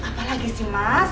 apa lagi sih mas